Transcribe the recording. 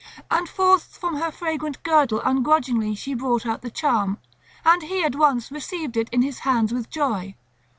And forth from her fragrant girdle ungrudgingly she brought out the charm; and he at once received it in his hands with joy.